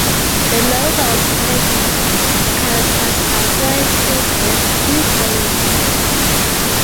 The novel's title characters are friends since birth who fall in love.